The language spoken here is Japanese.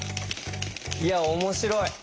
いや面白い。